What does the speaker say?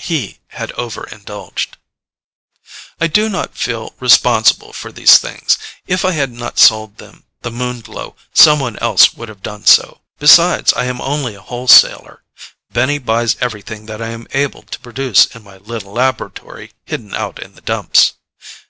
He had over indulged. I do not feel responsible for these things. If I had not sold them the Moon Glow, someone else would have done so. Besides, I am only a wholesaler. Benny buys everything that I am able to produce in my little laboratory hidden out in the Dumps.